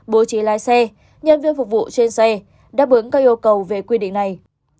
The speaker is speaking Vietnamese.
bố trí lái xe nhân viên phục vụ trên xe đáp ứng các yêu cầu về quy định này